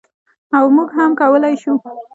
او موږ هم کولی شو.